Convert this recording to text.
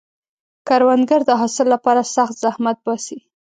کروندګر د حاصل لپاره سخت زحمت باسي